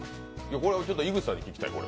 これは井口さんに聞きたい。